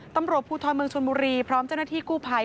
ตำรวจภูทรเมืองชนบุรีพร้อมเจ้าหน้าที่กู้ภัย